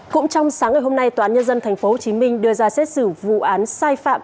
cũng trong sáng ngày hôm nay tòa án nhân dân tp hcm đưa ra xét xử vụ án sai phạm